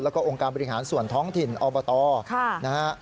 แล้วก็องค์การบริหารส่วนท้องถิ่นอบตนะฮะ